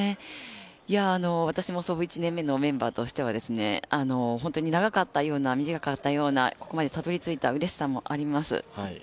私も創部１年目のメンバーとしては本当に長かったような短かったようなここまでたどり着いたうれしさもあります。